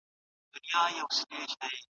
صنعتي وده د ښه کیفیت پایله ده.